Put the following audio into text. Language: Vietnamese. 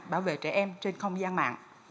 bảo vệ trẻ em trên không gian mạng